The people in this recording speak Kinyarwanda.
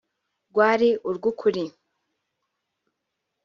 rwari urw’ukuri